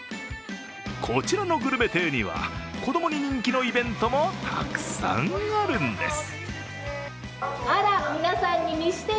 こちらのぐるめ亭には、子供に人気のイベントもたくさんあるんです。